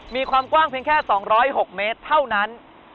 มีความกว้างเพียงแค่๒๐๖เมตรเท่านั้น